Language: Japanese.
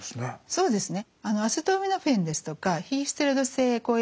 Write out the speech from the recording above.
そうですね。